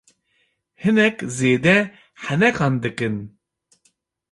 Hinek zêde henekan dikin.